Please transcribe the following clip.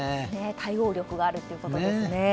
対応力があるということですね。